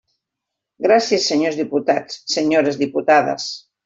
Gràcies, senyors diputats, senyores diputades.